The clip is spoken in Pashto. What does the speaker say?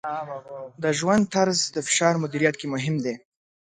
د ژوند طرز د فشار مدیریت کې مهم دی.